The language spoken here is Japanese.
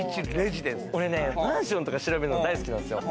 マンションとか調べるの、大好きなんですよ。